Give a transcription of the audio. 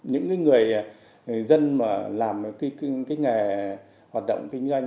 những người dân mà làm cái nghề hoạt động kinh doanh